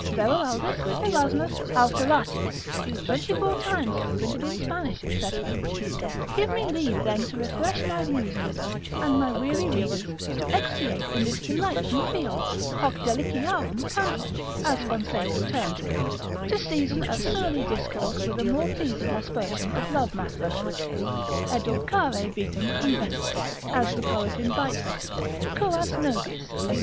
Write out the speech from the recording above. Beroaldus, Erasmus, Alpheratius, twenty four times printed in Spanish, &c. Give me leave then to refresh my muse a little, and my weary readers, to expatiate in this delightsome field, hoc deliciarum campo, as Fonseca terms it, to season a surly discourse with a more pleasing aspersion of love matters: Edulcare vitam convenit, as the poet invites us, curas nugis, &c.